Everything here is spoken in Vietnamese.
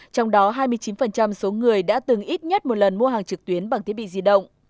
trong đó hai mươi chín số người đã từng ít nhất một lần mua hàng trực tuyến bằng thiết bị di động